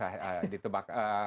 waduh itu susah ditebak